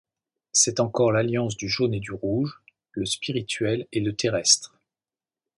C'est encore l'alliance du jaune et du rouge, le spirituel et le terrestre.